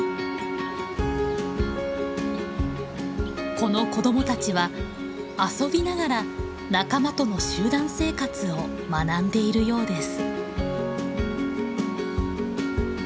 この子どもたちは遊びながら仲間との集団生活を学んでいるようです。